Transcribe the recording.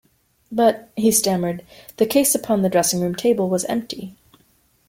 "But" he stammered, "the case upon the dressing-room table was empty."